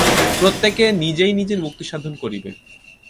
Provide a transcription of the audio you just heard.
প্রত্যেকে নিজেই নিজের মুক্তিসাধন করিবে।